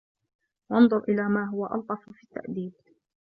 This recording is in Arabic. وَانْظُرْ إلَى مَا هُوَ أَلْطَفُ فِي التَّأْدِيبِ